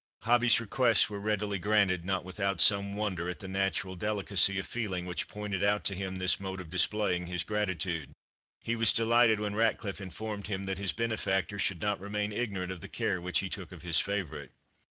Hobbie's requests were readily granted, not without some wonder at the natural delicacy of feeling which pointed out to him this mode of displaying his gratitude. He was delighted when Ratcliffe informed him that his benefactor should not remain ignorant of the care which he took of his favourite.